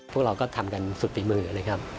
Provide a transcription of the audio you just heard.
พวกเราก็ทำกันสุดฝีมือเลยครับ